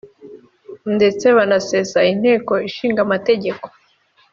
ndetse banasesa Inteko Ishinga Amategeko